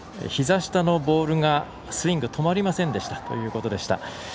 ひざ下のボールがスイング止まりませんでしたということでした。